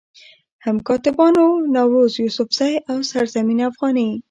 هم کاتبانو نوروز يوسفزئ، او سرزمين افغاني